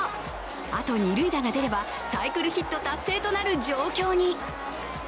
あと二塁打が出れば、サイクルヒット達成となる状況に。